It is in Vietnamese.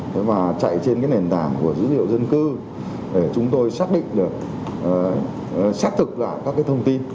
thế và chạy trên cái nền tảng của dữ liệu dân cư để chúng tôi xác định được xác thực lại các cái thông tin